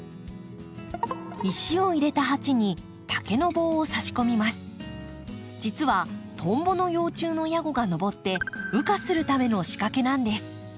石を入れた鉢に実はトンボの幼虫のヤゴが上って羽化するための仕掛けなんです。